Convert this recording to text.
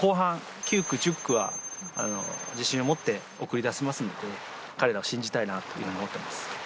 特に後半、９区、１０区は自信を持って送り出せますので、彼らを信じたいなと思っています。